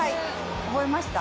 覚えました？